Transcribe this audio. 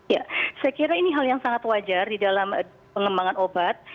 ya saya kira ini hal yang sangat wajar di dalam pengembangan obat